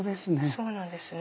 そうなんですね。